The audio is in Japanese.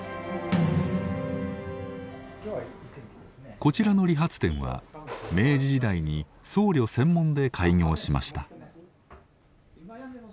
こちらの理髪店は明治時代に僧侶専門で開業しました。